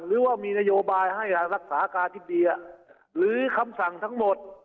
หรือว่ามีนโยบายให้รักษาการธิบดีหรือคำสั่งทั้งหมด